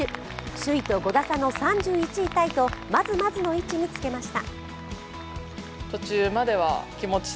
首位と５打差の３１位タイと、まずまずの位置につけました。